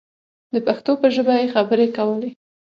د پښتو په ژبه یې خبرې کولې.